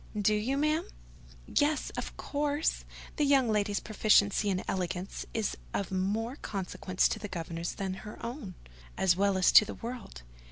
"Do you, ma'am?" "Yes, of course: the young lady's proficiency and elegance is of more consequence to the governess than her own, as well as to the world.